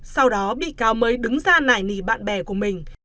sau đó bị cáo mới đứng ra nảy nỉ bạn bè của mình